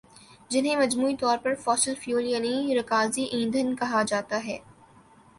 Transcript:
جنہیں مجموعی طور پر فوسل فیول یعنی رکازی ایندھن کہا جاتا ہے